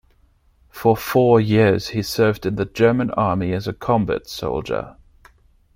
For four years, he served in the German army as a combat soldier.